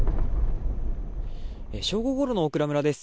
正午ごろの大蔵村です。